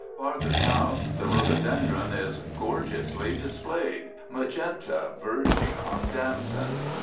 Farther south the rhododendron is gorgeously displayed—magenta verging on damson.